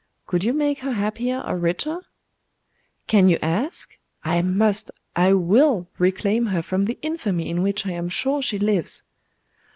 Could you make her happier or richer?' 'Can you ask? I must I will reclaim her from the infamy in which I am sure she lives.